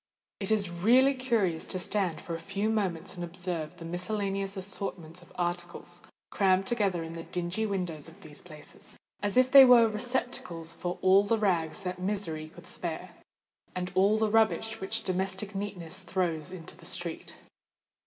It is really curious to stand for a few moments and observe the miscellaneous assortment of articles crammed together in the dingy windows of these places,—as if they were receptacles for all the rags that misery could spare, and all the rubbish which domestic neatness throws into the street.